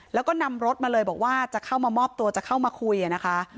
แล้วก็นำรถมาเลยบอกว่าจะเข้ามามอบตัวจะเข้ามาคุยนะคะ